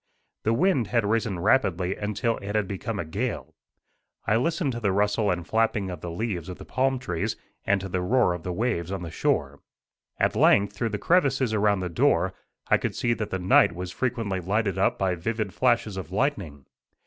The wind had risen rapidly until it had become a gale. I listened to the rustle and flapping of the leaves of the palm trees, and to the roar of the waves on the shore. At length, through the crevices around the door I could see that the night was frequently lighted up by vivid flashes of lightning.